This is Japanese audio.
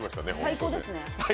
最高ですね。